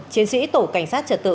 chiến sĩ tổ cảnh sát trật tự